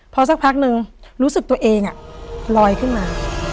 พอสักพักนึงรู้สึกตัวเองลอยขึ้นมา